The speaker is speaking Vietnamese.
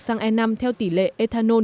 xăng e năm theo tỉ lệ ethanol